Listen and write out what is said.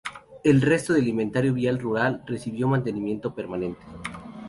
El resto del inventario vial rural, recibió mantenimiento permanente.